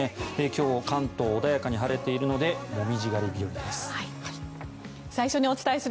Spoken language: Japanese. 今日、関東穏やかに晴れているのでモミジ狩り日和です。